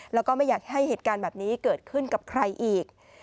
แล้วก็ไม่อยากให้เหตุการณ์แบบนี้เกิดขึ้นกับใครอีก